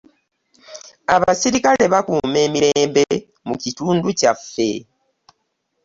Abaserikale bakuuma emirembe mu kitundu kyaffe.